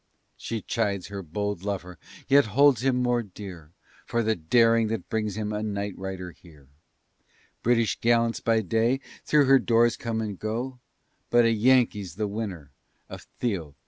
She chides her bold lover, yet holds him more dear, For the daring that brings him a night rider here; British gallants by day through her doors come and go, But a Yankee's the winner of Theo.